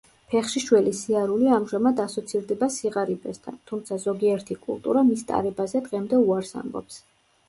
ფეხშიშველი სიარული ამჟამად ასოცირდება სიღარიბესთან, თუმცა ზოგიერთი კულტურა მის ტარებაზე დღემდე უარს ამბობს.